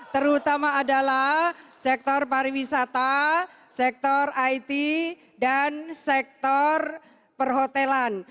terutama adalah sektor pariwisata sektor it dan sektor perhotelan